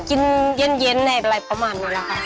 กินเย็นอะไรประมาณนี้แหละค่ะ